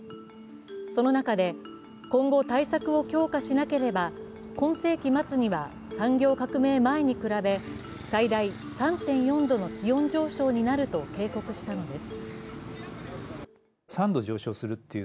その中で、今後、対策を強化しなければ、今世紀末には、産業革命前に比べ最大３．４度の気温上昇になると警告したのです。